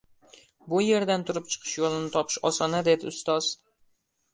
– Bu yerdan turib chiqish yoʻlini topish oson-a? – dedi ustoz.